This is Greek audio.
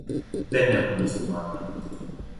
δεν έχουν νοστιμάδα.